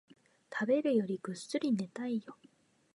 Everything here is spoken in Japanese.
食べるよりぐっすり寝たいよ